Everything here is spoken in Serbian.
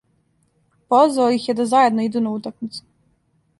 Позвао их је да заједно иду на утакмицу.